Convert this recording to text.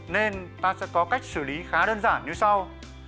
nên ta sẽ có cách xử lý khá đơn giản như sau